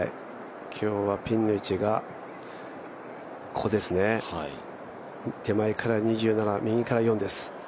今日はピンの位置が、手前から２７、右から４です。